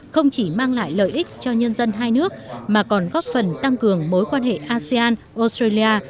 không chỉ mang lại lợi ích cho nhân dân hai nước mà còn góp phần tăng cường mối quan hệ asean australia